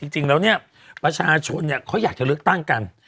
จริงแล้วเนี่ยประชาชนเขาอยากจะเลือกตั้งกัน